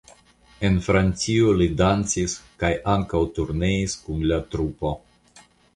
En Francio li dancis en kaj ankaŭ turneis kun la trupo.